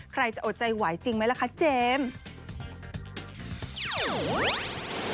ใครจะอดใจไหวจริงไหมล่ะคะเจมส์